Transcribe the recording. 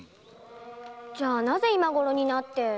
じゃあなぜ今ごろになって？